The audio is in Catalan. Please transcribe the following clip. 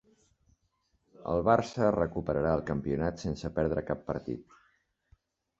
El Barça recuperà el campionat sense perdre cap partit.